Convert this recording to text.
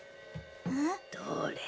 えっ？どれ。